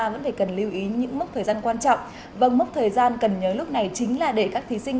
và mức thời gian cần nhớ lúc này chính là để các thí sinh